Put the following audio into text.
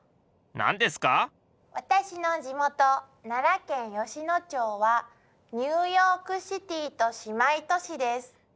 私の地元奈良県吉野町はニューヨークシティと姉妹都市です。